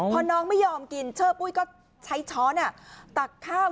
พอน้องไม่ยอมกินเชอร์ปุ้ยก็ใช้ช้อนตักข้าว